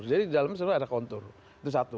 jadi di dalamnya sebenarnya ada kontur itu satu